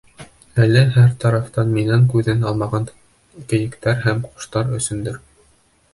Әле һәр тарафтан минән күҙен алмаған кейектәр һәм ҡоштар өсөндөр.